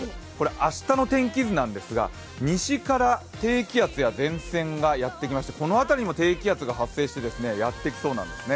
明日の天気図なんですが、西から低気圧や前線がやってきましてこの辺りにも低気圧が発生してやってきそうなんですね。